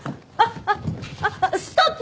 あっあっストップ！